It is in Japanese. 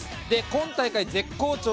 今大会、絶好調